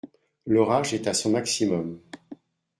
L’orage est à son maximum.